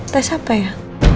tes apa ya